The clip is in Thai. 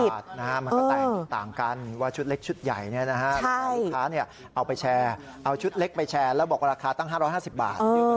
มันก็แตกต่างกันว่าชุดเล็กชุดใหญ่ยังไงลูกค้าเอาไปแชร์เอาชุดเล็กไปแชร์แล้วบอกว่าราคาตั้ง๕๕๐บาท